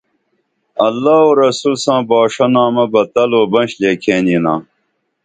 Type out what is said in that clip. اللہ او رسول ساں باݜہ نامہ بہ تل او بنش لیکھین ینا